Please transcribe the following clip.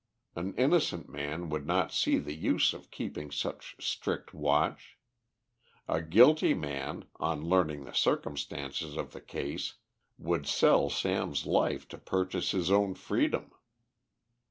An innocent man would not see the use of keeping such strict watch; a guilty man, on learning the circumstances of the case, would sell Sam's life to purchase his own freedom.